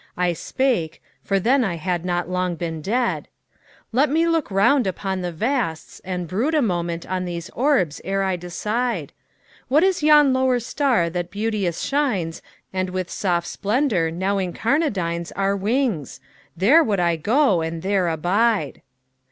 I spake for then I had not long been dead "Let me look round upon the vasts, and brood A moment on these orbs ere I decide ... What is yon lower star that beauteous shines And with soft splendor now incarnadines Our wings? There would I go and there abide."